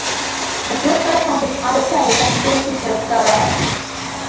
The school's boathouse is on the Thames at Thames Ditton, Surrey.